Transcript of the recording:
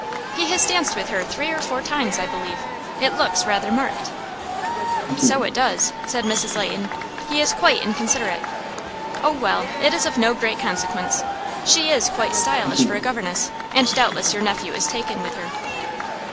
"He has danced with her three or four times, I believe. It looks rather marked." "So it does," said Mrs. Leighton. "He is quite inconsiderate." "Oh, well, it is of no great consequence. She is quite stylish for a governess, and doubtless your nephew is taken with her."